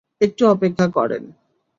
একটু অপেক্ষা করেন।